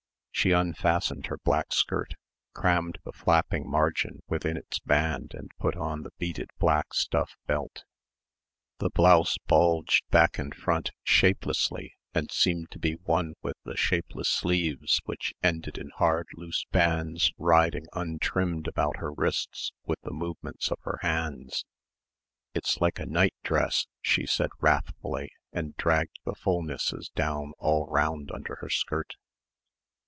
She unfastened her black skirt, crammed the flapping margin within its band and put on the beaded black stuff belt. The blouse bulged back and front shapelessly and seemed to be one with the shapeless sleeves which ended in hard loose bands riding untrimmed about her wrists with the movements of her hands.... "It's like a nightdress," she said wrathfully and dragged the fulnesses down all round under her skirt.